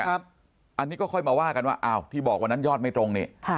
อันนี้ก็ค่อยมาว่ากันว่าที่บอกวันนั้นยอดไม่ตรงนี้